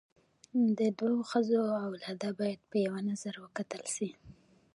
د دوو ښځو اولاده باید په یوه نظر وکتل سي.